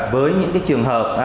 với những trường hợp